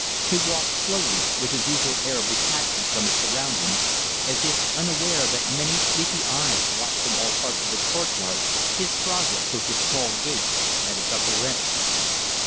He walked slowly, with his usual air of detachment from his surroundings, as if unaware that many sleepy eyes watched from all parts of the courtyard his progress towards a small gate at its upper end.